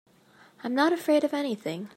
I'm not afraid of anything.